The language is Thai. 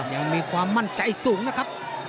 ยังมีความมั่นใจสูงนะครับ